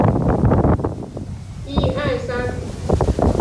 三春町是位于福岛县田村郡的一町。